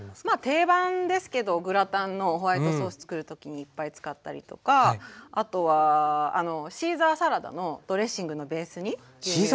定番ですけどグラタンのホワイトソースつくる時にいっぱい使ったりとかあとはシーザーサラダのドレッシングのベースに牛乳と。